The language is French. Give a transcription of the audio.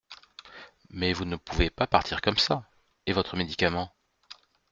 Mais vous ne pouvez pas partir comme ça ! Et votre médicament ?